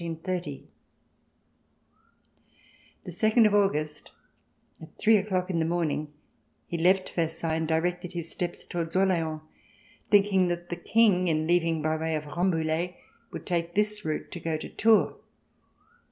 POSTSCRIIT The second of August at three o'clock in the morn ing, he left Versailles and directed his steps towards Orleans, thinking that the King, in leaving by way of Rambouillet, would take this route to go to Tours.